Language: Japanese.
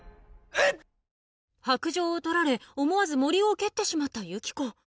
白杖を取られ思わず森生を蹴ってしまったユキコ